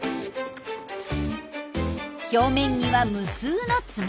表面には無数の爪痕。